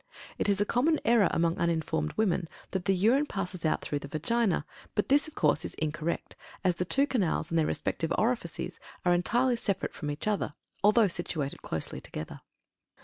It is a common error among uninformed women that the urine passes out through the Vagina; but this, of course, is incorrect, as the two canals and their respective orifices are entirely separate from each other, though situated closely together.